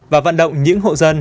và vận động những hộ dân